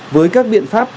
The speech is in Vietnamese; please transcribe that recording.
với các biện pháp